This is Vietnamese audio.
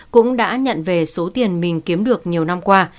cũng đã nhận về số tiền mình kiếm được nhiều năm qua